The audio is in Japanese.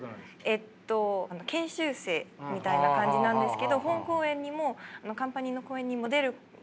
えっと研修生みたいな感じなんですけど本公演にもカンパニーの公演にも出ることもありますし。